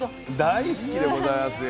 大好きでございますよ。